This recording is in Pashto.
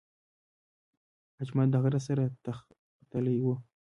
اجمد د غره سر ته ختلی دی.